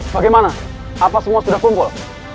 bagaimana apa semua sudah kumpul